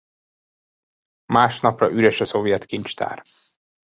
Másnapra üres a szovjet kincstár.